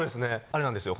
あれなんですよ